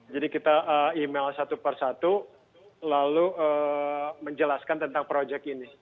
jadi kita email satu per satu lalu menjelaskan tentang projek ini